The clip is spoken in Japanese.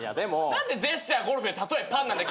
何でジェスチャーゴルフで例えパンなんだ。